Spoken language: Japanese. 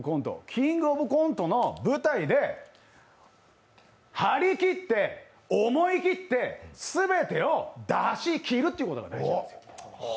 「キングオブコント」の舞台で張り切って、思い切ってすべてを出し切るということが大事なんですよ。